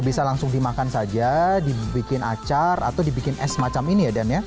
bisa langsung dimakan saja dibikin acar atau dibikin es macam ini ya dan ya